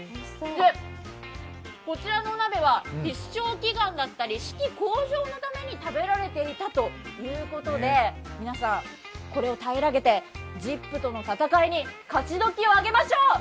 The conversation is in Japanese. こちらのお鍋は必勝祈願だったり、士気向上のために食べられていたということで、皆さん、これを平らげて、「ＺＩＰ！」との戦いに勝ちどきを上げましょう。